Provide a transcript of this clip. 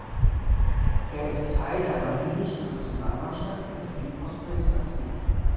Er ist Teil der walisischen Nationalmannschaft und für die Ospreys aktiv.